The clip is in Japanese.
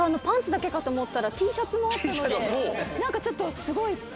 パンツだけかと思ったらＴシャツもあったので何かちょっとすごい。